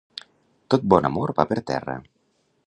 Tot bon amor va per terra.